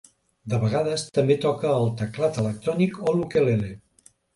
De vegades també toca el teclat electrònic o l'ukelele.